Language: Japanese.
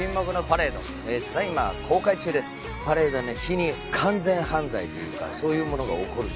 パレードの日に完全犯罪というかそういうものが起こる。